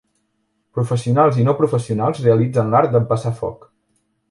Professionals i no professionals realitzen l'art d'empassar foc.